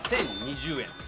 １０２０円！